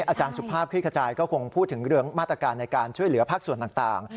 อาจารย์สุภาพคลิกขจายก็คงพูดถึงเรื่องมาตรการในการช่วยเหลือภาคส่วนต่าง